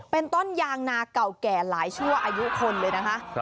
เป็นต้นยางนาเก่าแก่หลายชั่วอายุคนเลยนะคะ